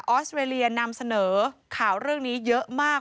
อสเวรียนำเสนอข่าวเรื่องนี้เยอะมาก